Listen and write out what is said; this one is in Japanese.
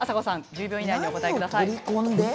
１０秒以内にお答えください。